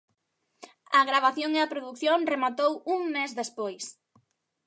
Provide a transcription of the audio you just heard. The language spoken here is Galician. A gravación e a produción rematou un mes despois.